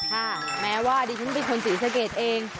แม้ว่าดิฉันเป็นคนศรีสะเกดเอง